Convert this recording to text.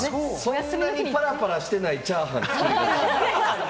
そんなにパラパラしてないチャーハン。